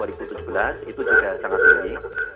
itu juga sangat tinggi